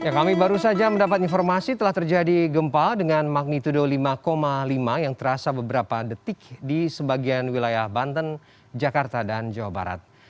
kami baru saja mendapat informasi telah terjadi gempa dengan magnitudo lima lima yang terasa beberapa detik di sebagian wilayah banten jakarta dan jawa barat